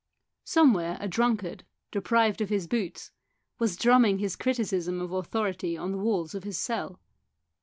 Somewhere a drunkard, deprived of his boots, was drumming his criticism of authority on the walls of his cell.